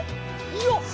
よっ！